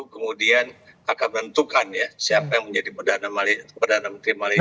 kemudian akan menentukan ya siapa yang menjadi perdana menteri malaysia